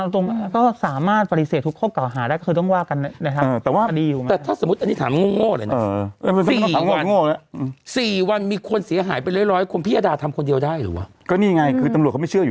แต่เขาบอกเขาไม่เคยติดต่อเขาไม่เคยรู้จักเลย